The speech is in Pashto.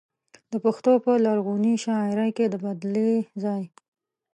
د پښتو په لرغونې شاعرۍ کې د بدلې ځای.